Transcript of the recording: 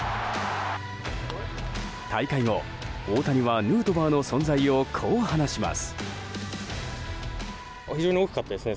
大会後、大谷はヌートバーの存在をこう話します。